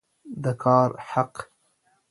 د کار حق